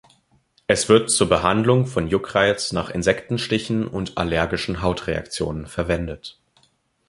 Es wird zur Behandlung von Juckreiz nach Insektenstichen und allergischen Hautreaktionen verwendet.